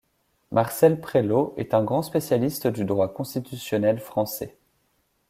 Marcel Prélot est un grand spécialiste du droit constitutionnel français.